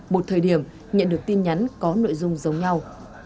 một thời điểm nhận được tin nhắn có nội dung giống nhau